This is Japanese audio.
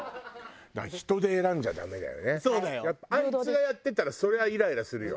やっぱあいつがやってたらそれはイライラするよ。